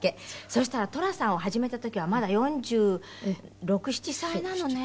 そうしたら『寅さん』を始めた時はまだ４６４７歳なのね。